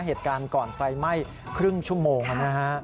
เหตุการณ์ก่อนไฟไหม้ครึ่งชั่วโมงนะฮะ